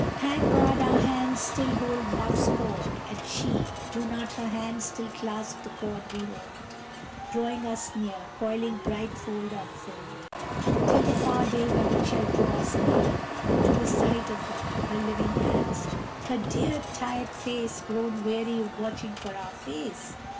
Thank God, our hands still hold Love's cord and she Do not her hands still clasp the cord we hold, Drawing us near, coiling bright fold on fold, Till the far day when it shall draw us near To the sight of her her living hands, her dear Tired face, grown weary of watching for our face?